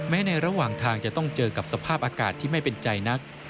ในระหว่างทางจะต้องเจอกับสภาพอากาศที่ไม่เป็นใจนัก